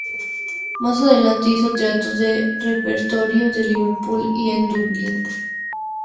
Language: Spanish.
Más adelante hizo teatro de repertorio en Liverpool y en Dublín.